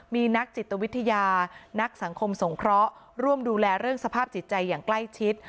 มีนักจิตวิทยานักสังคมสงเคราะห์ร่วมดูแลเรื่องสภาพจิตใจอย่างใกล้ชิด